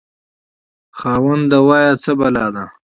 خاوند: وایه څه بلا ده؟